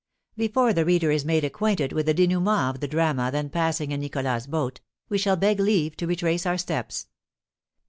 Before the reader is made acquainted with the dénouement of the drama then passing in Nicholas's boat, we shall beg leave to retrace our steps.